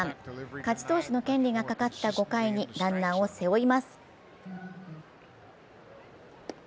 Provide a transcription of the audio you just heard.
勝ち投手の権利がかかった５回にランナーを背負います。